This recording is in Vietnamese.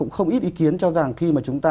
không ít ý kiến cho rằng khi mà chúng ta